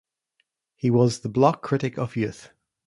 He was the Bloc critic of Youth.